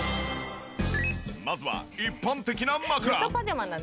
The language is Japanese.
まずは一般的な枕。